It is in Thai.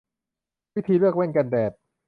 วิธีเลือกแว่นกันแดด